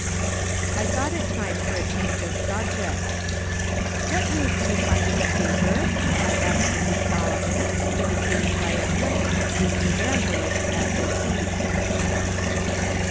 I thought it time for a change of subject. " AVhat news do you find in the paper ?" I asked Mrs. Solomon, indicating by a glance the Evangelisi at her feet.